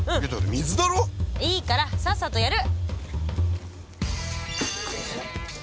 いいからさっさとやる！